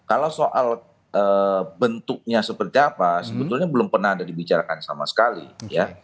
kalau soal bentuknya seperti apa sebetulnya belum pernah ada dibicarakan sama sekali ya